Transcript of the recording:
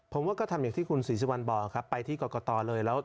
ผมว่าก็ทำอย่างที่คุณศิษย์วัลบอกครับไปที่กรกฎอเลย